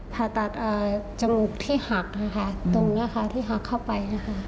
ผ่าตัดจมูกที่หักนะคะตรงนี้ค่ะที่หักเข้าไปนะคะ